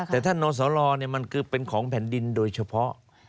แต่ท่านนสลมันคือเป็นของแผ่นดินโดยเฉพาะ